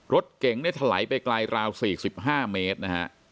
รถเก่งเนี่ยถลายไปกลายราวสี่สิบห้าเมตรนะฮะ